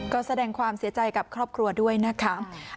ก็แสดงความเสียใจกับครอบครัวด้วยนะคะ